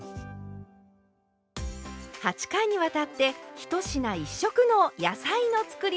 ８回にわたって「１品１色の野菜のつくりおき」